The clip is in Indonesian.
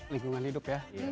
lingkungan hidup ya